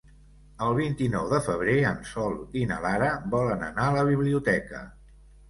El vint-i-nou de febrer en Sol i na Lara volen anar a la biblioteca.